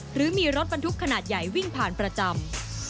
หรือมีรถบรรทุกขนาดใหญ่วิ่งผ่านประจำ